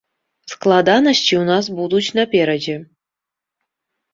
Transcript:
Складанасці ў нас будуць наперадзе.